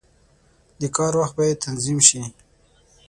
• د کار وخت باید تنظیم شي.